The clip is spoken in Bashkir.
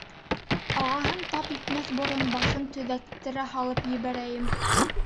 Ағаһын тап итмәҫ борон башын төҙәттерә һалып ебәрәйем.